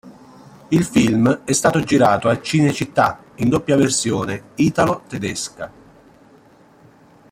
Il film è stato girato a Cinecittà in doppia versione italo-tedesca.